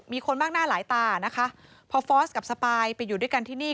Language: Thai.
มีคนมากหน้าหลายตานะคะพอฟอสกับสปายไปอยู่ด้วยกันที่นี่